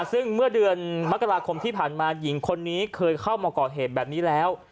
ซึ่งเมื่อเดือนมกราคมที่ผ่านมาหญิงคนนี้เคยเข้ามาก่อเหตุแบบนี้แล้ว